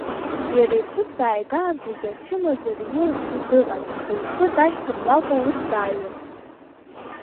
Иара иԥҳәыс дааигаанӡагьы ачымазара иласны дыҟан, аха ихы дашьҭамлакәа ус дааиуан.